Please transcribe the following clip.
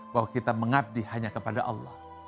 bahwa kita mengabdi hanya kepada allah